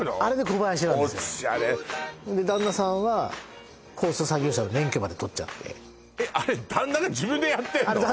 オシャレで旦那さんは高所作業車の免許まで取っちゃってえっあれ旦那が自分でやってんの？